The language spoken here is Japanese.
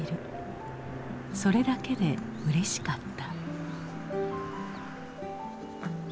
それだけでうれしかった。